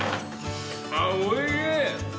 あっおいしい！